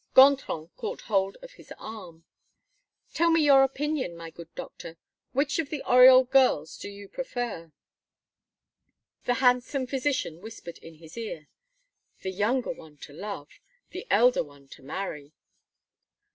Gontran caught hold of his arm: "Tell me your opinion, my good doctor. Which of the Oriol girls do you prefer?" The handsome physician whispered in his ear: "The younger one, to love; the elder one, to marry."